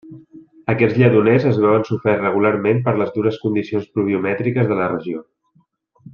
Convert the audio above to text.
Aquests lledoners es veuen soferts segurament per les dures condicions pluviomètriques de la regió.